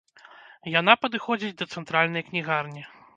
Яна падыходзіць да цэнтральнай кнігарні.